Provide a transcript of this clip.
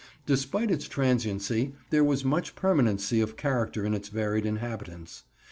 Despite its transiency, there was much permanency of character in its varied inhabitants.